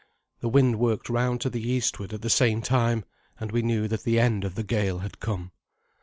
The wind worked round to the eastward at the same time, and we knew that the end of the gale had come.